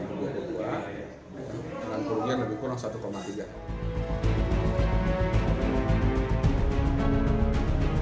dengan kerugian lebih kurang satu tiga